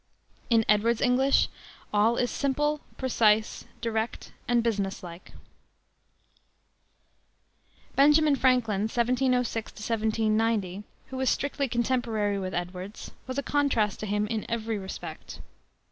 In Edwards's English all is simple, precise, direct, and business like. Benjamin Franklin (1706 1790), who was strictly contemporary with Edwards, was a contrast to him in every respect.